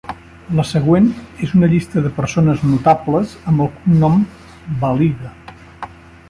La següent és una llista de persones notables amb el cognom Baliga.